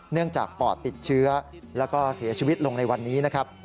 เนื่องจากปอดติดเชื้อและเสียชีวิตลงในวันนี้